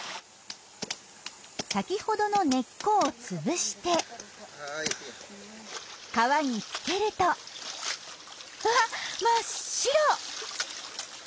先ほどの根っこを潰して川につけるとうわっ真っ白！